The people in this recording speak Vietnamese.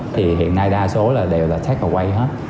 thì hiện nay đa số là đều là take away hết